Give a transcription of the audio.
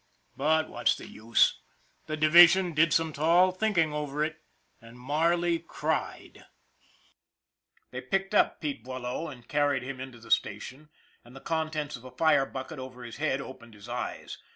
But what's the use! The division did some tall thinking over it and Marley cried ! They picked up Pete Boileau and carried him into the station, and the contents of a fire bucket over his head opened his eyes.